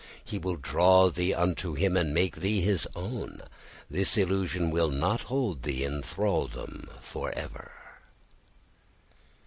He will draw thee unto him and make thee his own. This illusion will not hold thee in thraldom for ever."